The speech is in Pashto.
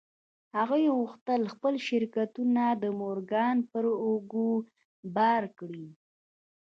هغوی غوښتل خپل شرکتونه د مورګان پر اوږو بار کړي